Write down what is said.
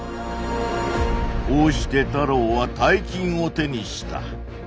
こうして太郎は大金を手にした。